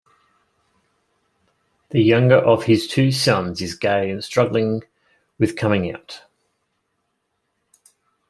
The younger of his two sons is gay and struggling with coming out.